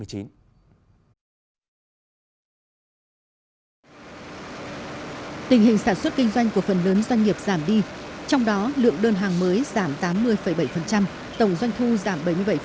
tình hình sản xuất kinh doanh của phần lớn doanh nghiệp giảm đi trong đó lượng đơn hàng mới giảm tám mươi bảy tổng doanh thu giảm bảy mươi bảy tám